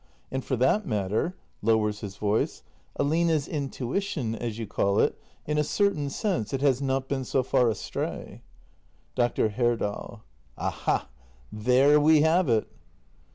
And for that matter — [lowers his voice] — Aline's intuition, as you call it — in a certain sense, it has not been so far astray. Dr. Herdal. Aha! there we have it!